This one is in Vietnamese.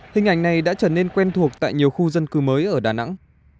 hình ảnh này đã trở nên quen thuộc tại nhiều khu dân cư mới ở đà nẵng